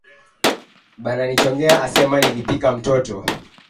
Bananichongea asema nilipika mtoto